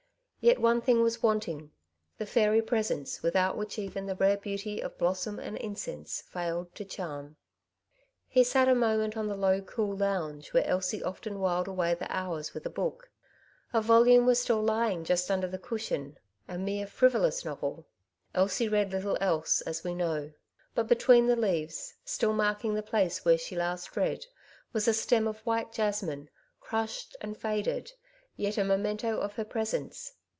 Yet one thing was wanting — the fairy presence without which even the rare beauty of blossom and incense failed to charm. He sat a moment on the low cool lounge, where Elsie often whiled away the hours with a book. A volume was still lying just under the cushion, a mere frivolous novel Elsie read little else, as we know; but between the leaves, still marking the place where she last read, was a stem of white jasmine, crushed and faded, yet a memento of her 2 196 " Two Sides to every Question, »>\ presence.